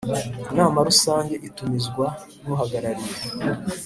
Inama Rusange itumizwa n uhagarariye